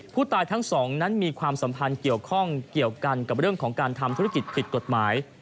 ผู้ตายทั้งสองนั้นมีความสัมพันธ์เกี่ยวข้องเกี่ยวกันกับเรื่องของการทำธุรกิจผิดกฎหมาย